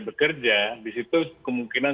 bekerja di situ kemungkinan